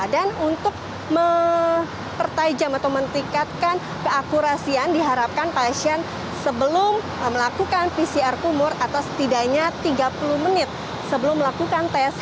dan untuk mempertajam atau meningkatkan keakurasian diharapkan pasien sebelum melakukan pcr kumur atau setidaknya tiga puluh menit sebelum melakukan tes